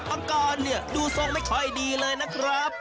อังกรเนี่ยดูทรงไม่ค่อยดีเลยนะครับ